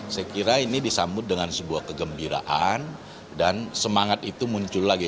saya kira ini disambut dengan sebuah kegembiraan dan semangat itu muncul lagi